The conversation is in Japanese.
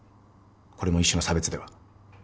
これも一種の差別では？